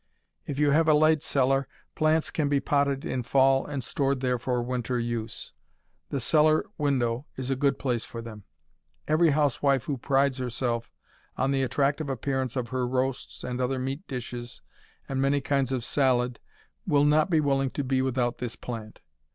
If you have a light cellar, plants can be potted in fall and stored there for winter use. The cellar window is a good place for them. Every housewife who prides herself on the attractive appearance of her roasts and other meat dishes and many kinds of salad will not be willing to be without this plant.